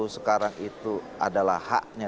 sekarang itu adalah haknya